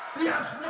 tiasno tidak makar